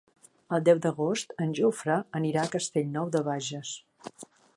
El deu d'agost en Jofre anirà a Castellnou de Bages.